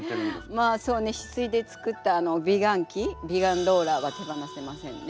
まあそうね翡翠で作った美顔器美顔ローラーは手放せませんね。